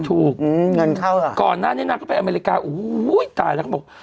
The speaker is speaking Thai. ถูกอืมเงินเข้าอ่ะก่อนหน้านี้นางก็ไปอเมริกาโอ้โหตายแล้วเขาบอก